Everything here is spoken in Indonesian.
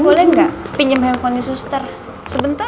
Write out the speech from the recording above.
boleh gak pinjem handphone saya ke rumah